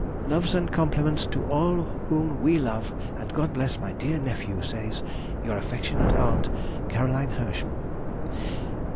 Loves and compliments to all whom we love, and God bless my dear nephew, says Your affectionate aunt, CAR. HERSCHEL.